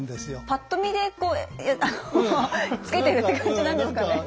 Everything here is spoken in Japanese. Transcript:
ぱっと見で付けてるって感じなんですかね。